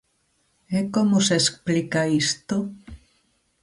¿E como se explica isto?